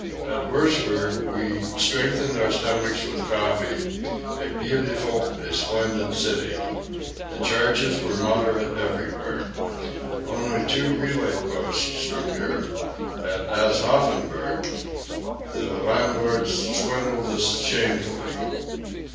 At Wurzburg we strengthened our stomachs with coffee; a beautiful, a splendid city. The charges were moderate everywhere. Only two post relays from here, in Aschaffenburg, the landlord swindled us shamefully."